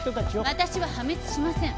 私は破滅しません。